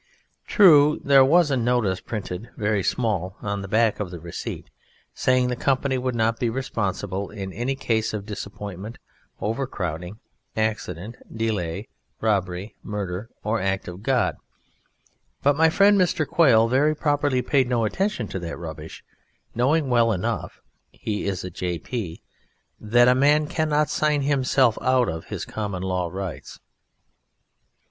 True, there was a notice printed very small on the back of the receipt saying the company would not be responsible in any case of disappointment, overcrowding, accident, delay, robbery, murder, or the Act of God; but my friend Mr. Quail very properly paid no attention to that rubbish, knowing well enough (he is a J.P.) that a man cannot sign himself out of his common law rights.